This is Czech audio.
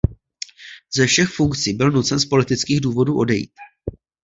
Ze všech funkcí byl nucen z politických důvodů odejít.